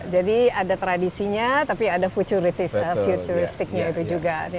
jadi ada tradisinya tapi ada futuristiknya itu juga